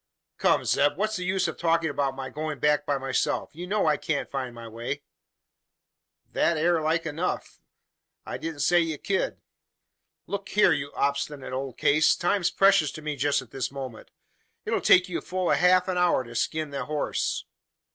"Come, Zeb; what's the use of talking about my going back by myself? You know I can't find my way?" "That air like enough. I didn't say ye ked." "Look here, you obstinate old case! Time's precious to me just at this minute. It 'll take you a full half hour to skin the horse."